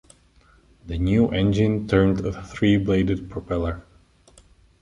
The new engine turned a three-bladed propeller.